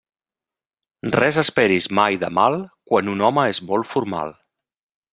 Res esperis mai de mal, quan un home és molt formal.